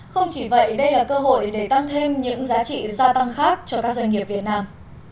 không chỉ vậy đây là cơ hội để tăng thêm những giá trị gia tăng khác cho các doanh nghiệp việt nam